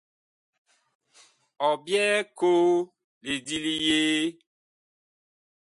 Ɔ byɛɛ koo lidi li yee ?